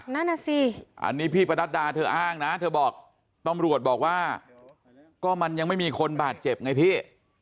นั่นน่ะสิอันนี้พี่ประนัดดาเธออ้างนะเธอบอกตำรวจบอกว่าก็มันยังไม่มีคนบาดเจ็บไงพี่